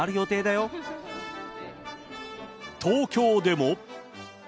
東京でも。